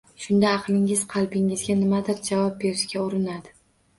Shunda, aqlingiz qalbingizga nimadir javob berishga urinadi